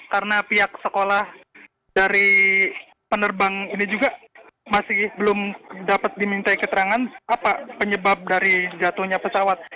karena pihak sekolah dari penerbang ini juga masih belum dapat diminta keterangan apa penyebab dari jatuhnya pesawat